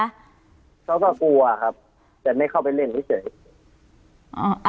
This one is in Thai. เขาก็กลัวครับแต่ไม่เข้าไปเล่นเฉยอ่า